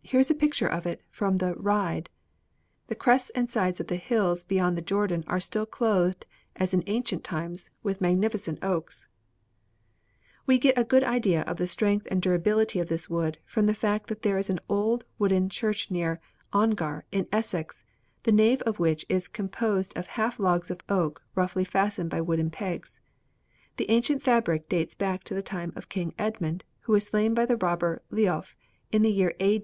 Here is a picture of it, from the Ride. The crests and sides of the hills beyond the Jordan are still clothed, as in ancient times, with magnificent oaks. See page 85 "We get a good idea of the strength and durability of this wood from the fact that there is an old wooden church near Ongar, in Essex, the nave of which is composed of half logs of oak roughly fastened by wooden pegs. The ancient fabric dates back to the time of King Edmund, who was slain by the robber Leolf in the year A.